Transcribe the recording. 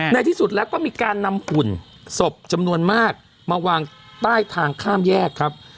ในที่สุดแล้วก็มีการนำหุ่นศพจำนวนมากมาวางใต้ทางข้ามแยกครับ